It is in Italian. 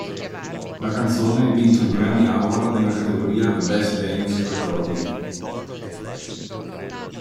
La canzone vince un Grammy Award nella categoria "Best Dance Recording.".